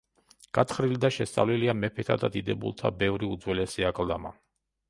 გათხრილი და შესწავლილია მეფეთა და დიდებულთა ბევრი უძველესი აკლდამა.